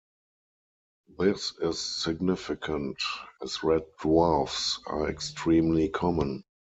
This is significant, as red dwarfs are extremely common.